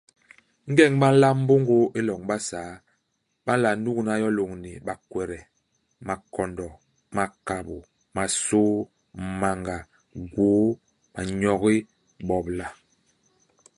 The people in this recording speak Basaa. Ingeñ ba nlamb mbôngôô i loñ Basaa, ba nla nugna yo lôñni bakwede, makondo, makabô, masôô, manga, gwôô, manyogi, bobola.